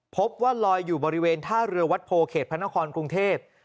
พบว่าลอยอยู่บริเวณท่าเรือวัดโพเขตพระนครกรุงเทพ